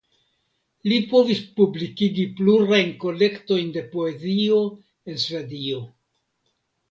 Li povis publikigi plurajn kolektojn de poezio en Svedio.